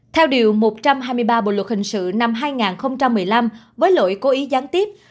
theo điều một trăm hai mươi ba bộ luật hình sự năm hai nghìn một mươi năm với lỗi cố ý gián tiếp